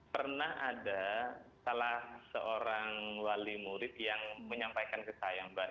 pernah ada salah seorang wali murid yang menyampaikan ke saya mbak